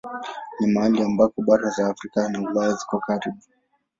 Ni mahali ambako bara za Afrika na Ulaya ziko karibu.